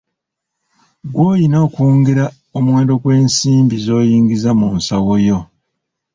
Gwe oyina okwongera omuwendo gw'ensimbi z'oyingiza mu nsawo yo.